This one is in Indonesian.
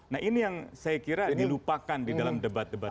nah ini yang saya kira dilupakan di dalam debat debat